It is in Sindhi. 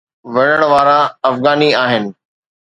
وڙهڻ وارا افغاني آهن.